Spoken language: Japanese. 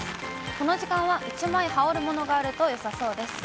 この時間は１枚羽織るものがあるとよさそうです。